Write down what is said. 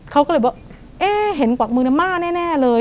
เขาก็เลยบอกเอ๊ะเห็นกวักมือมาแน่เลย